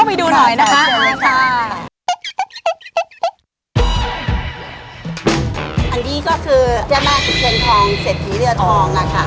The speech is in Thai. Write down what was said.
อันนี้ก็คือได้มากกับเงินทองเสร็จที่เลือดทองล่ะค่ะ